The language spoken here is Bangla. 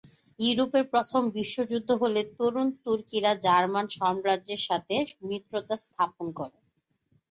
ইউরোপে প্রথম বিশ্বযুদ্ধ শুরু হলে তরুণ তুর্কিরা জার্মান সাম্রাজ্যের সাথে মিত্রতা স্থাপন করে।